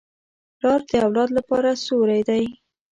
پلار د اولاد لپاره سیوری دی.